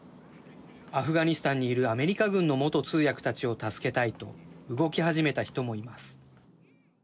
アフガニスタンにいるアメリカ軍の元通訳たちを助けたいと動き始めた人もいます。